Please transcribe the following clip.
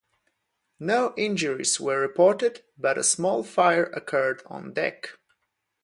No injuries were reported but a small fire occurred on deck.